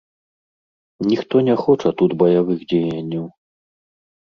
Ніхто не хоча тут баявых дзеянняў.